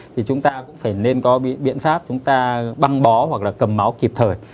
thì chúng ta cũng phải nên có biện pháp chúng ta băng bó hoặc là cầm máu kịp thời